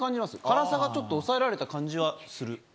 辛さがちょっと抑えられた感じはする。